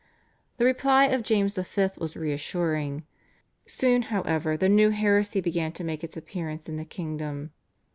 The reply of James V. was reassuring. Soon however the new heresy began to make its appearance in the kingdom.